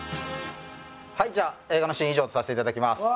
はいじゃあ映画のシーン以上とさせて頂きます。